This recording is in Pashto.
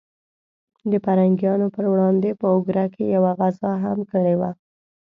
د پرنګیانو پر وړاندې په اګره کې یوه غزا هم کړې وه.